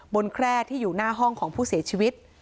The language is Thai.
แคร่ที่อยู่หน้าห้องของผู้เสียชีวิต